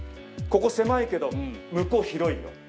ここ狭いけど向こう広いよ。